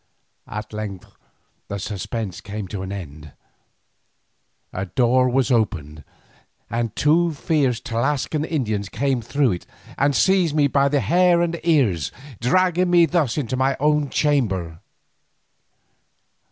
At length the suspense came to an end; a door was opened, and two fierce Tlascalan Indians came through it and seized me by the hair and ears, dragging me thus into my own chamber.